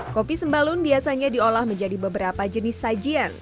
kopi sembalun biasanya diolah menjadi beberapa jenis sajian